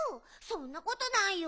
そんなことないよ。